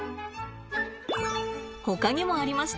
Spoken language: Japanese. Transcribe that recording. ほかにもありました。